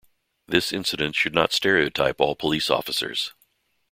This incident should not stereotype all police officers.